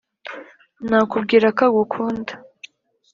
nakubwira ko agukunda